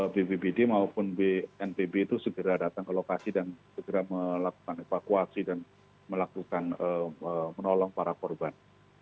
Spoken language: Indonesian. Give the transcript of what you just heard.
bpbd maupun bnpb itu segera datang ke lokasi dan segera melakukan evakuasi dan melakukan menolong para korban